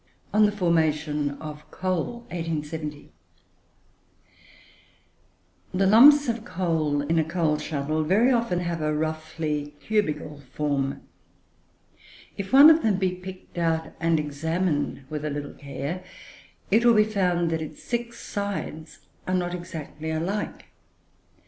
V ON THE FORMATION OF COAL The lumps of coal in a coal scuttle very often have a roughly cubical form. If one of them be picked out and examined with a little care, it will be found that its six sides are not exactly alike.